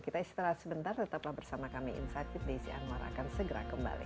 kita istirahat sebentar tetaplah bersama kami insighted di icn warahkan segera kembali